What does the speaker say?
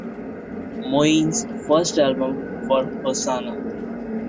Moen's first album for Hosanna!